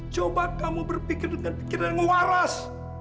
coba kamu berpikir dengan pikiran waras